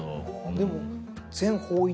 でも。